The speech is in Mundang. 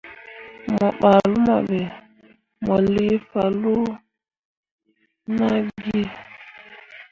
Mo ɓah luma ɓe, mo lii fanloo naa gi me.